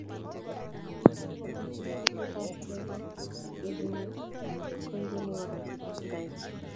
Kongete ulikibarte ke yukinye, koikeni kora ketajin?